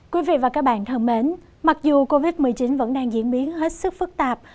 quý vị và các bạn thân mến mặc dù covid một mươi chín vẫn đang diễn biến hết sức phức tạp